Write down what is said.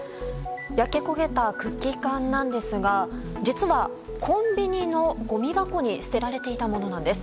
焼け焦げたクッキー缶なんですが実は、コンビニのごみ箱に捨てられていたものなんです。